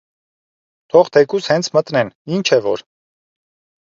Թող թեկուզ հենց մտնեն, ի՞նչ է որ: